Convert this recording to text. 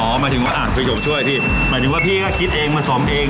หมายถึงว่าอ่านประโยคช่วยพี่หมายถึงว่าพี่ก็คิดเองมาซ้อมเอง